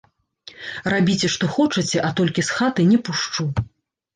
Рабіце што хочаце, а толькі з хаты не пушчу!